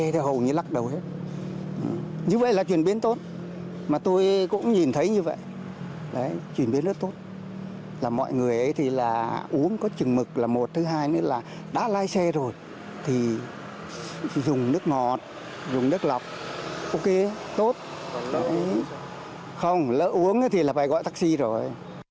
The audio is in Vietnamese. rượu nước ngọt rượu nước lọc ok tốt không lỡ uống thì phải gọi taxi rồi